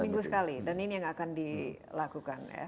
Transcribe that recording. seminggu sekali dan ini yang akan dilakukan ya